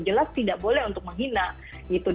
jelas tidak boleh untuk menghina gitu